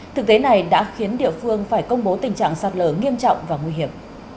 thực tế này đã khiến địa phương phải công bố tình trạng sạt lở nghiêm trọng và nguy hiểm